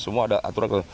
semua ada aturan